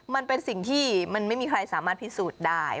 มันเป็นสิ่งที่มันไม่มีใครสามารถพิสูจน์ได้